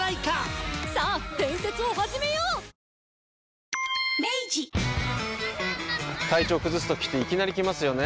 三井不動産体調崩すときっていきなり来ますよね。